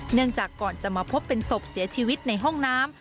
เนื่องจากก่อนจะมาพบเป็นศพเสียชีวิตในห้องน้ำ